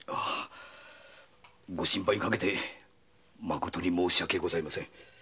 ご心配かけて申し訳ございません。